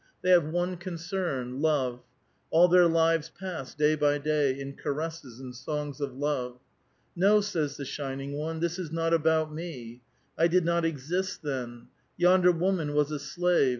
The3' have one concern, — love; all their lives pass, day by day, in caresses and songs of love. ''No," says the shining one; "this is not about me; I did not exist then. Yonder woman was a slave.